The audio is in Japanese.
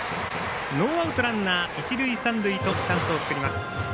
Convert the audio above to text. ノーアウト、ランナー、一塁三塁とチャンスを作ります。